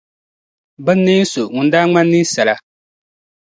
binneen’ so ŋun daa ŋmani ninsala.